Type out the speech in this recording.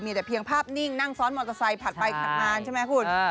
มีแต่เพียงภาพนิ่งนั่งซ้อนมอเตอร์ไซค์ผัดไปขัดมาใช่ไหมคุณ